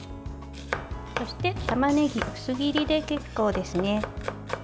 そしてたまねぎは薄切りで結構ですね。